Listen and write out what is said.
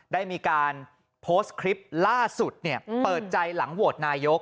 ได้มีการโพสต์คลิปล่าสุดเปิดใจหลังโหวตนายก